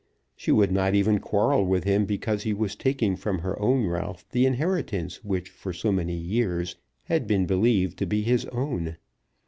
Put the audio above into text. She would not even quarrel with him because he was taking from her own Ralph the inheritance which for so many years had been believed to be his own.